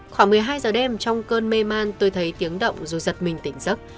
khoảng một mươi hai giờ đêm trong cơn mê man tôi thấy tiếng động rồi giật mình tỉnh giấc